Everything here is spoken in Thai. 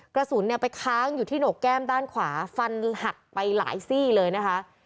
กระสุนเนี่ยไปค้างอยู่ที่หนกแก้มด้านขวาฟันหักไปหลายซี่เลยนะคะ